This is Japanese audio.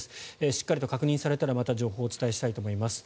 しっかりと確認されたらまた情報をお伝えしたいと思います。